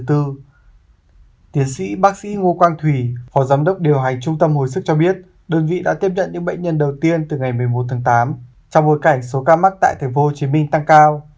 tiến sĩ bác sĩ ngô quang thủy phó giám đốc điều hành trung tâm hồi sức cho biết đơn vị đã tiếp nhận những bệnh nhân đầu tiên từ ngày một mươi một tháng tám trong bối cảnh số ca mắc tại tp hcm tăng cao